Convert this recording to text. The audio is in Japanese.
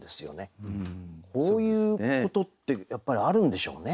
こういうことってやっぱりあるんでしょうね？